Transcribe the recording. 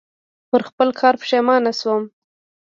پر خپل کار پښېمانه شوم .